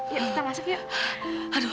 ya kita masuk yuk